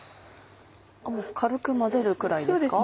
軽く混ぜるくらいですか？